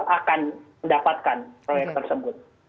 akan mendapatkan proyek tersebut